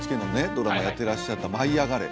ドラマやっていらっしゃった「舞いあがれ！」